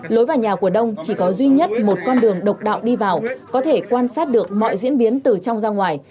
lối vào nhà của đông chỉ có duy nhất một con đường độc đạo đi vào có thể quan sát được mọi diễn biến từ trong ra ngoài